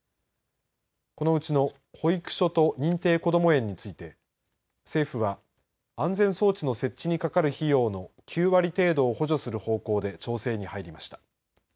このうちの保育所と認定こども園について政府は安全装置の設置にかかる費用の９割程度を補助する方向で調整に入りました。